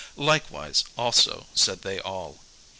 Likewise also said they all.